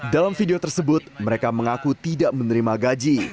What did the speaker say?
dalam video tersebut mereka mengaku tidak menerima gaji